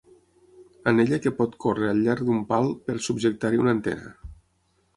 Anella que pot córrer al llarg d'un pal per subjectar-hi una antena.